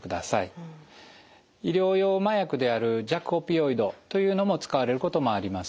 医療用麻薬である弱オピオイドというのも使われることもあります。